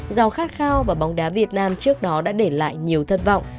dòng khát khao và bóng đá việt nam trước đó đã để lại nhiều thất vọng